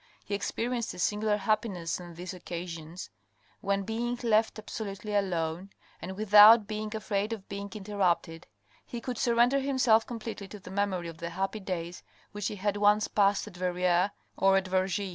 He experienced a singular happiness on these occasions when, being left absolutely alone, and without being afraid of being interrupted, he could surrender himself completely to the memory of the happy days which he had once passed at Verrieres, or at Vergy.